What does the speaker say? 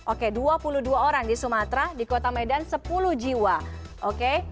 oke dua puluh dua orang di sumatera di kota medan sepuluh jiwa oke